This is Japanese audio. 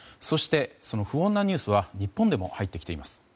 そして、不穏なニュースは日本にも入ってきています。